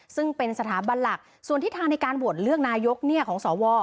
ซึ่งเป็นสถาบันหลักส่วนทิศทางในการโหวตเลือกนายกของสว